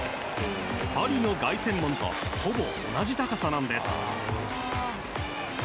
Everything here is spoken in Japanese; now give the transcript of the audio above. パリの凱旋門とほぼ同じ高さなんです。